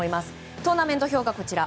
トーナメント表がこちら。